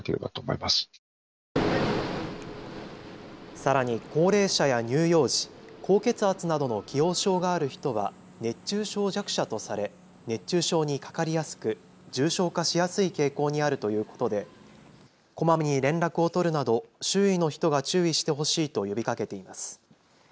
さらに高齢者や乳幼児、高血圧などの既往症がある人は熱中症弱者とされ熱中症にかかりやすく重症化しやすい傾向にあるということでこまめに連絡を取るなど周囲の人が注意してほしいと呼びかけています。